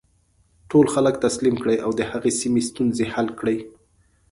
ټول خلک تسلیم کړي او د هغې سیمې ستونزې حل کړي.